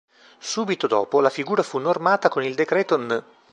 Subito dopo la figura fu normata con il decreto n.